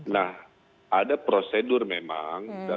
nah ada prosedur memang